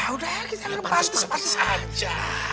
udah ya kita lepas lepas aja